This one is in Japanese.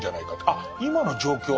「あ今の状況